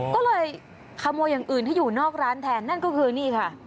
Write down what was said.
ก็เลยขโมยอย่างอื่นที่อยู่นอกร้านแทนนั่นก็คือนี่ค่ะ